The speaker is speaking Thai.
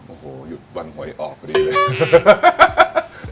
โอ้โหหยุดวันหวยออกพอดีเลย